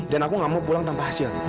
dan aku gak mau pulang tanpa hasil